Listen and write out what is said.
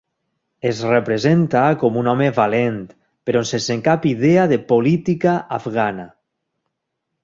Es representa com un home valent, però sense cap idea de política afgana.